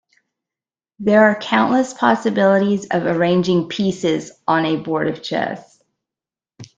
There are countless possibilities of arranging pieces on a board of chess.